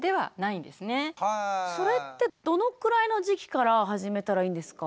それってどのくらいの時期から始めたらいいんですか？